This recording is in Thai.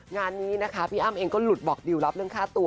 งานนี้นะคะพี่อ้ำเองก็หลุดบอกดิวรับเรื่องค่าตัว